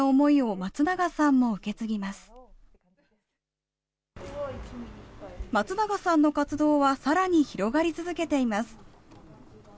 まつながさんの活動はさらに広がり続けています。